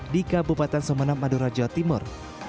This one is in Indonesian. di kabupaten sumeneb madura jawa timur